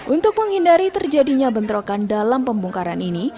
untuk menghindari terjadinya bentrokan dalam pembongkaran ini